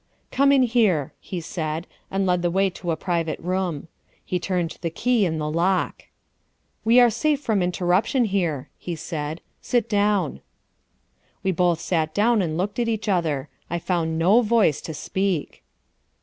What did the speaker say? "Come in here," he said, and led the way to a private room. He turned the key in the lock. "We are safe from interruption here," he said; "sit down." We both sat down and looked at each other. I found no voice to speak.